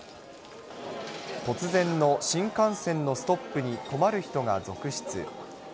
突然の新幹線のストップに困る人が続出。